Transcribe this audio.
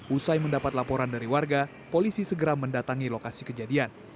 usai mendapat laporan dari warga polisi segera mendatangi lokasi kejadian